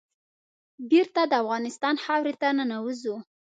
بېرته د افغانستان خاورې ته ننوزو.